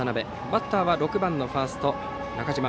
バッターは６番ファースト、中島。